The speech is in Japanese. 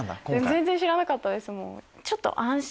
全然知らなかったですもん。